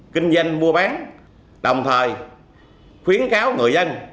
kinh doanh mua bán đồng thời khuyến cáo người dân